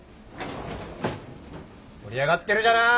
盛り上がってるじゃない！